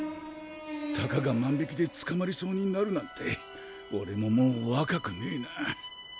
たかが万引きでつかまりそうになるなんておれももう若くねえな。